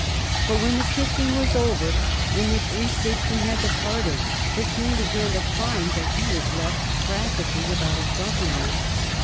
But when the kissing was over and the three statesmen had departed, the King began to find that he was left practically without a Government.